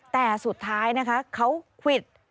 แต่สุดท้ายนะคะเขาควิด